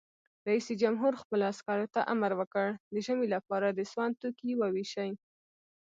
رئیس جمهور خپلو عسکرو ته امر وکړ؛ د ژمي لپاره د سون توکي وویشئ!